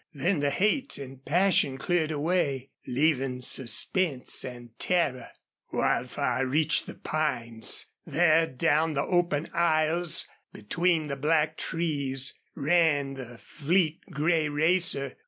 Then the hate and passion cleared away, leaving suspense and terror. Wildfire reached the pines. There down the open aisles between the black trees ran the fleet gray racer.